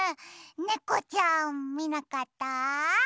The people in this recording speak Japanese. ねこちゃんみなかった？